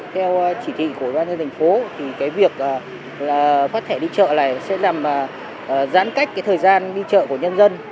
phát thẻ đi chợ này sẽ làm giãn cách thời gian đi chợ của nhân dân